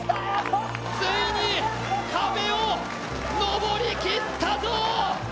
ついに壁を登り切ったぞ！